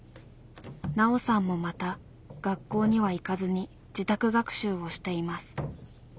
ナオさんもまた学校には行かずに自宅学習をしています。